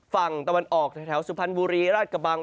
ฝั่งตะวันออกแถวสุพรรณบุรีราชกระบัง